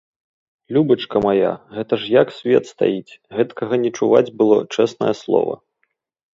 Любачка мая, гэта ж як свет стаіць, гэткага не чуваць было, чэснае слова.